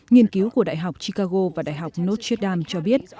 nghiên cứu của đại học chicago và đại học notre dame cho biết